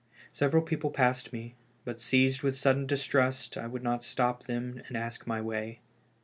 Several people passed me, but seized with sudden distrust, I would not stop them and ask my way.